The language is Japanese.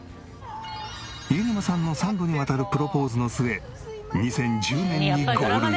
飯沼さんの３度にわたるプロポーズの末２０１０年にゴールイン。